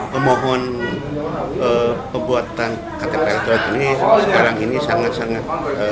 pemohon pembuatan ktp elektronik ini sekarang ini sangat sangat